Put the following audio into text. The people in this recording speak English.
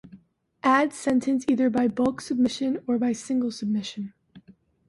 Add sentence either by bulk submission or by single submission.